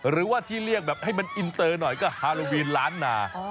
หรือว่าที่เรียกแบบให้มันอินเตอร์หน่อยก็ฮาโลวีนล้านนา